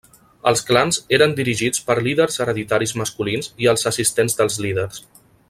Els clans eren dirigits per líders hereditaris masculins i els assistents dels líders.